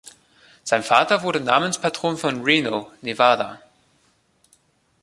Sein Vater wurde Namenspatron von Reno, Nevada.